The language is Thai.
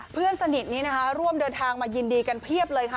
เพื่อนสนิทนี้นะคะร่วมเดินทางมายินดีกันเพียบเลยค่ะ